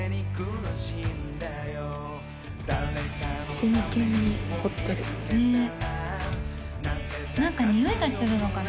真剣に掘ってるねっ何かにおいがするのかな